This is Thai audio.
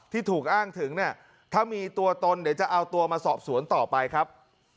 ที่ถูกอ้างถึงเนี่ยถ้ามีตัวตนเดี๋ยวจะเอาตัวมาสอบสวนต่อไปครับ